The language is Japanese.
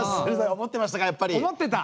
思ってた。